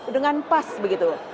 dengan pas begitu